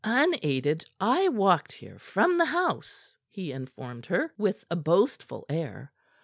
"Unaided I walked here from the house," he informed her with a boastful air.